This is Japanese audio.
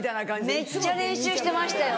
めっちゃ練習してましたよ